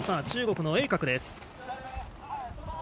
中国の栄格です。